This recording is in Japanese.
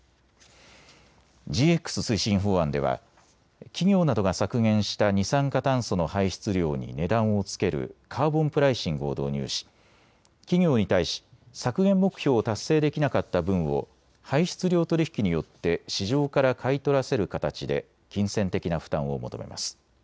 ＧＸ推進法案では企業などが削減した二酸化炭素の排出量に値段をつけるカーボンプライシングを導入し企業に対し削減目標を達成できなかった分を排出量取引によって市場から買い取らせる形で金銭的な負担を求めます。